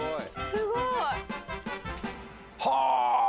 すごい。はあ。